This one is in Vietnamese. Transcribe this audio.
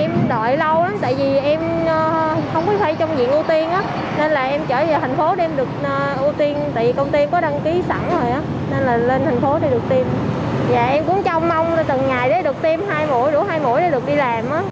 em cũng trong mong là từng ngày đấy được tiêm hai mũi rủ hai mũi để được đi làm á